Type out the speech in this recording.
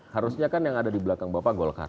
harusnya kan yang ada di belakang bapak golkar